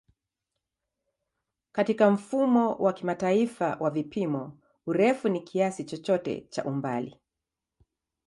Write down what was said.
Katika Mfumo wa Kimataifa wa Vipimo, urefu ni kiasi chochote cha umbali.